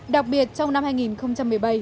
đặc biệt trong năm hai nghìn một mươi bảy